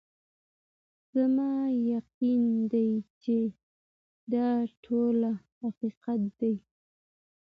زما یقین دی چي دا ټوله حقیقت دی